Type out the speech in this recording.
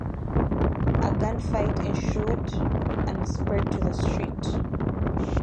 A gunfight ensued and spread to the street.